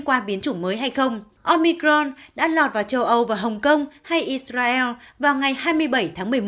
quan biến chủng mới hay không omicron đã lọt vào châu âu và hồng kông hay israel vào ngày hai mươi bảy tháng